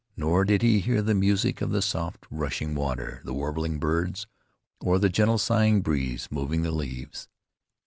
Nor did he hear the music of the soft rushing water, the warbling birds, or the gentle sighing breeze moving the leaves.